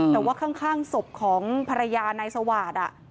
แต่ว่าข้างศพของภรรยาในสวาสอะ